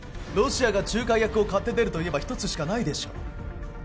ロシアが仲介役を買って出るといえばひとつしかないでしょ